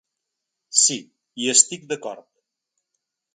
Sí, hi estic d’acord.